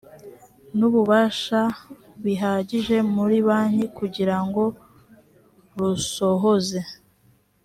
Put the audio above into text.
n ububasha bihagije muri banki kugira ngo rusohoze